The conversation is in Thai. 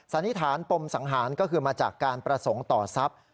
สันนิษฐานปมสังหารก็คือมาจากการประสงค์ต่อทรัพย์